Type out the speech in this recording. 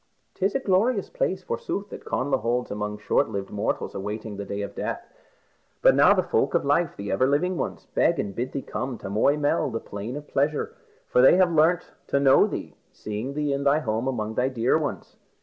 "'Tis a glorious place, forsooth, that Connla holds among short lived mortals awaiting the day of death. But now the folk of life, the ever living ones, beg and bid thee come to Moy Mell, the Plain of Pleasure, for they have learnt to know thee, seeing thee in thy home among thy dear ones."